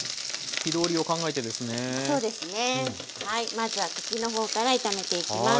まずは茎の方から炒めていきます。